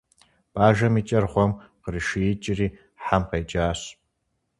- Бажэм и кӏэр гъуэм къришиикӏри, хьэм къеджащ.